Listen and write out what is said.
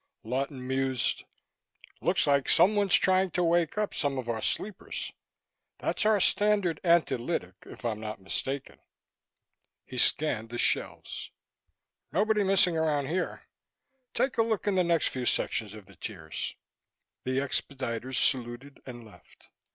Lawton mused, "Looks like someone's trying to wake up some of our sleepers. That's our standard antilytic, if I'm not mistaken." He scanned the shelves. "Nobody missing around here. Take a look in the next few sections of the tiers." The expediters saluted and left.